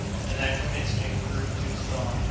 The natural instinct proved too strong.